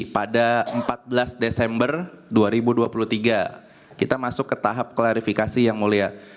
pada empat belas desember dua ribu dua puluh tiga kita masuk ke tahap klarifikasi yang mulia